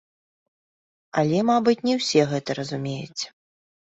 Але, мабыць, не ўсе гэта разумеюць.